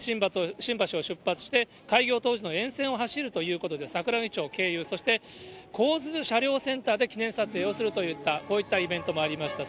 新橋を出発して、開業当時の沿線を走るということで、桜木町経由、こうづ車両センターで記念撮影をするといった、こういったイベントもありまして。